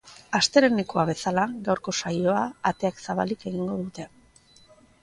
Astelehenekoa bezala, gaurko saioa ateak zabalik egingo dute.